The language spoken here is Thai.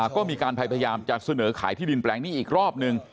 ก็มีการพยายามจะเสนอขายที่ดินแปลงนี้อีกรอบนึง